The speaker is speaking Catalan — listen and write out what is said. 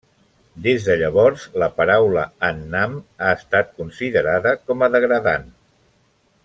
Des de llavors, la paraula Annam ha estat considerada com a degradant.